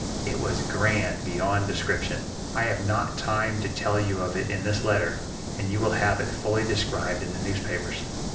It was grand beyond description. I have not time to tell you of it in this letter, and you will have it fully described in the newspapers.